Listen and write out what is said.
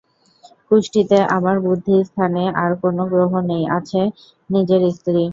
কুষ্ঠিতে আমার বুদ্ধিস্থানে আর কোনো গ্রহ নেই, আছেন নিজের স্ত্রী।